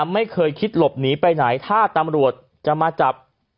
ไม่เคยคิดหลบหนีไปไหนถ้าตำรวจจะมาจับ